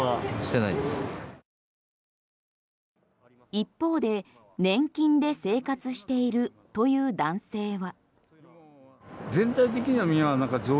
一方で、年金で生活しているという男性は。